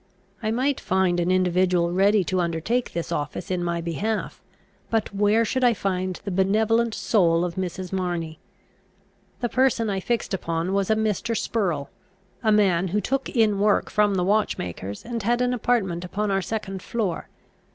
I might find an individual ready to undertake this office in my behalf; but where should I find the benevolent soul of Mrs. Marney? The person I fixed upon was a Mr. Spurrel, a man who took in work from the watchmakers, and had an apartment upon our second floor.